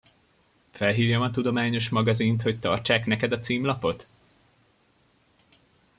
Felhívjam a tudományos magazint, hogy tartsák neked a címlapot?